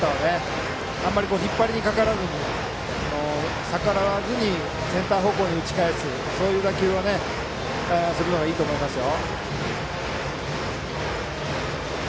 あまり引っ張りにかからずに逆らわずにセンター方向に打ち返す打球をするのがいいと思いますよ。